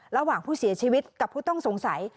ระหว่างผู้เสียชีวิตกับผู้ต้องสงสัย